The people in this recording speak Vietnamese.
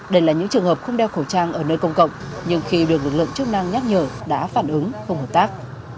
đây là những trường hợp không đeo khẩu trang ở nơi công cộng nhưng khi được lực lượng chức năng nhắc nhở đã phản ứng không hợp tác